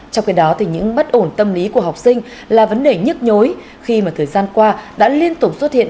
trong khi đó những bất ổn tâm lý của học sinh là vấn đề nhức nhối khi mà thời gian qua đã liên tục xuất hiện